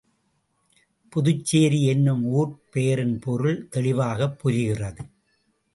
புதுச்சேரி என்னும் ஊர்ப் பெயரின் பொருள் தெளிவாகப் புரிகிறது.